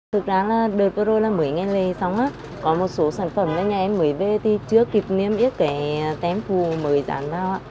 thực ra là đợt vừa rồi là mới nghe nghề xong có một số sản phẩm là nhà em mới về thì chưa kịp niêm yết cái tem phù mới dán vào